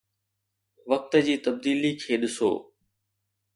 وقت جي تبديلي کي ڏسو.